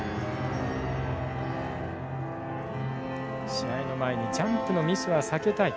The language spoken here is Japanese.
試合の前にジャンプのミスは避けたい。